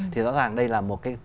thì rõ ràng đây là một cái